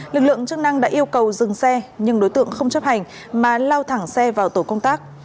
lực lượng chức năng đã yêu cầu dừng xe nhưng đối tượng không chấp hành mà lao thẳng xe vào tổ công tác